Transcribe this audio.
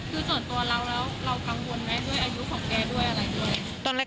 คือส่วนตัวเรากังวลไหมด้วยอายุของแกด้วย